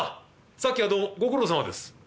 さっきはどうもご苦労さまです」。